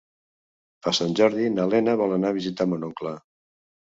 Per Sant Jordi na Lena vol anar a visitar mon oncle.